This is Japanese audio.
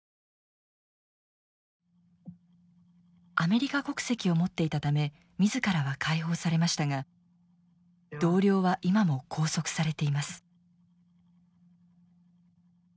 アメリカ国籍を持っていたため自らは解放されましたが同僚は今も拘束されています。